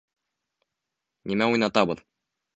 Нимә уйнатабыҙ?